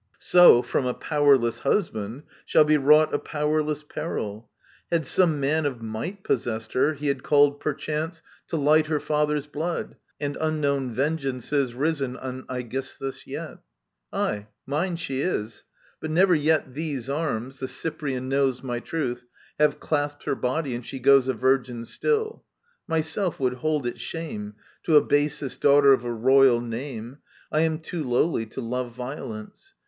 So from a powerless husband shall be wrought A powerless peril. Had some man of might Possessed her, he had called perchance to light Digitized by V^OOQIC ELECTRA 5 Her father's blood, and unknown vengeances Risen on Aegisthus yet. AyCy mine she is : But never yet these arms — the Cyprian knows My truth I — have clasped her body, and she goes A virgin stilL Myself would hold it shame To abase this daughter of a royal name. I am too lowly to love violence.